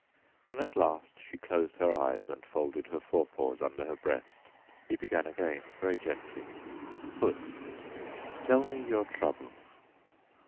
When at last she closed her eyes and folded her forepaws under her breast, he began again very gently: "Puss, tell me your troubles."